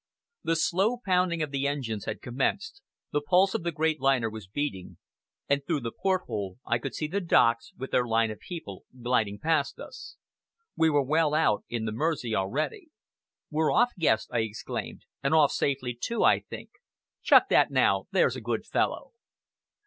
The slow pounding of the engines had commenced, the pulse of the great liner was beating, and through the port hole I could see the docks, with their line of people, gliding past us. We were well out in the Mersey already. "We're off, Guest!" I exclaimed, "and off safely, too, I think. Chuck that now, there's a good fellow."